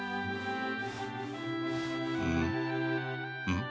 うん？